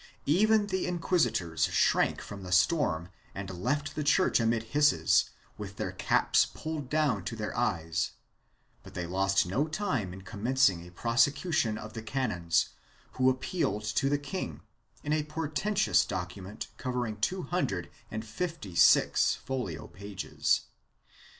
Even the inquisitors shrank from the storm and left the church amid hisses, with their caps pulled down to their eyes, but they lost no time in commencing a prosecution of the canons, who appealed to the king, in a por tentous document covering two hundred and fifty six folio pages.